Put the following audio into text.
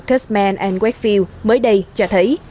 custman whitefield mới đây cho thấy